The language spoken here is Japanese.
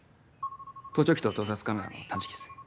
盗聴器と盗撮カメラの探知機です。